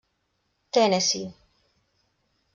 Tennessee.